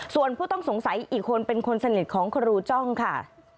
ส่วนผู้ต้องสงสัยอีกคนเป็นคนสนิทของครูจ้องค่ะ